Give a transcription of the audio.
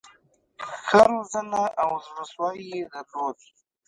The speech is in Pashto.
ښه روزنه او زړه سوی یې درلود.